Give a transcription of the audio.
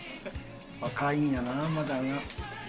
若いんやなまだな。